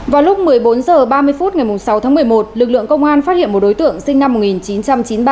vào lúc một mươi bốn h ba mươi phút ngày sáu tháng một mươi một lực lượng công an phát hiện một đối tượng sinh năm một nghìn chín trăm chín mươi ba